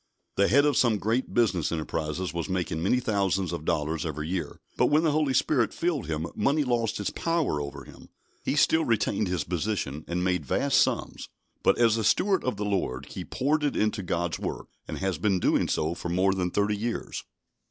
The head of some great business enterprises was making many thousands of dollars every year; but when the Holy Spirit filled him money lost its power over him. He still retained his position, and made vast sums; but, as a steward of the Lord, he poured it into God's work, and has been doing so for more than thirty years.